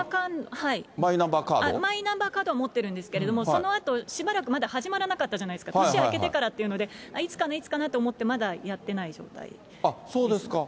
マイナンバーカードは持ってるんですけども、そのあと、しばらくまだ始まらなかったじゃないですか、年明けてからっていうので、いつかな、いつかなと思って、まだやってない状態です。